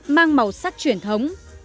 mang màu sắc truyền thống